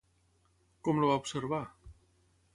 Com el va observar?